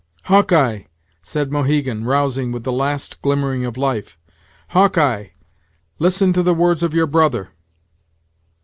"Hawk eye!" said Mohegan, rousing with the last glimmering of life. "Hawk eye! listen to the words of your brother."